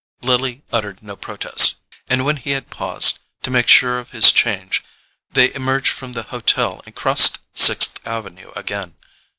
Lily uttered no protest, and when he had paused to make sure of his change they emerged from the hotel and crossed Sixth Avenue again.